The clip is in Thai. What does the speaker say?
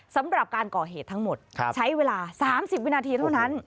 สำหรับการก่อเหตุทั้งหมดใช้เวลา๓๐วินาทีเท่านั้น